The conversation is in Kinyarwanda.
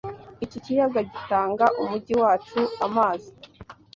Iki kiyaga gitanga umujyi wacu amazi.